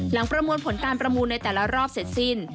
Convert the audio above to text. ประมวลผลการประมูลในแต่ละรอบเสร็จสิ้น